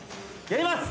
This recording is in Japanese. やります！